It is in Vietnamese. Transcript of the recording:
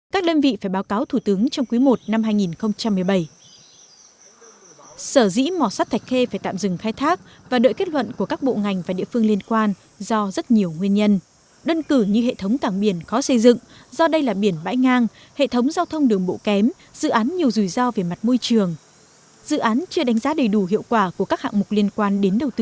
các đơn vị phải báo cáo thủ tướng trong quý i năm hai nghìn một mươi bảy